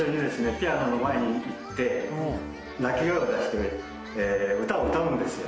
ピアノの前に行って鳴き声を出して歌を歌うんですよ